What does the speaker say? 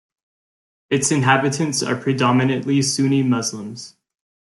Its inhabitants are predominantly Sunni Muslims.